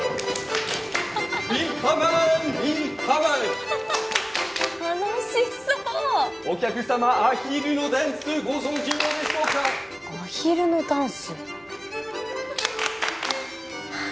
ヴィルコッメンヴィルコッメン楽しそうお客様アヒルのダンスご存じでしょうかアヒルのダンス？